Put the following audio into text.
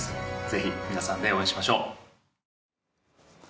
ぜひ皆さんで応援しましょう。